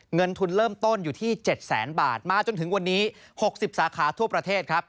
เงินทุนเริ่มต้นอยู่ที่๗แสนบาทมาจนถึงวันนี้๖๐สาขาทั่วประเทศครับ